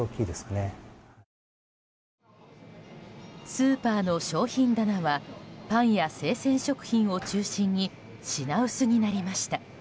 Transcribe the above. スーパーの商品棚はパンや生鮮食品を中心に品薄になりました。